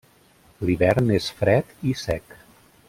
L'hivern és fred i sec.